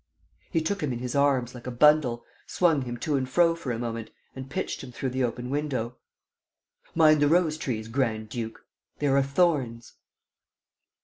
He took him in his arms, like a bundle, swung him to and fro for a moment and pitched him through the open window: "Mind the rose trees, grand duke! There are thorns!"